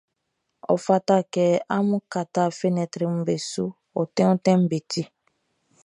Ɔ fata kɛ amun kata fenɛtriʼm be su, onti ontinʼm be ti.